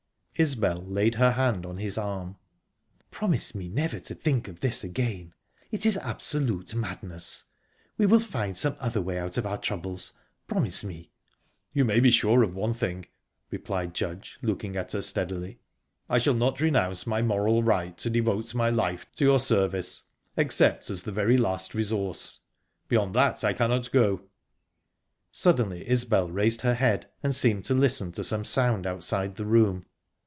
Isbel laid her hand on his arm. "Promise me never to think of this again. It is absolute madness. We will find some other way out of our troubles. Promise me." "You may be sure of one thing," replied Judge, looking at her steadily; "I shall not renounce my moral right to devote my life to your service, except as the very last resource. Beyond that I cannot go." Suddenly Isbel raised her head and seemed to listen to some sound outside the room.